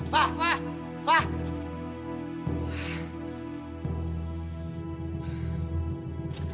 fah fah fah